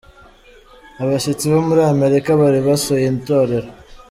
Abashyitsi bo muri Amerika bari basuye itorero